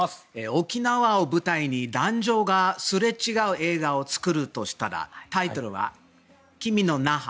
沖縄を舞台に、壇上がすれ違う映画を作るとしたらタイトルは、君の那覇。